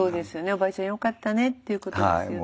おばあちゃんよかったねっていうことですよね。